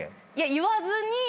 言わずに。